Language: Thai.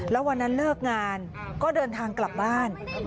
แล้ววันนั้นเลิกงานก็เดินทางกลับบ้าน